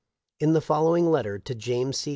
In the following letter to James C.